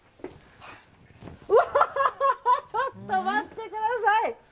うわ、ちょっと待ってください！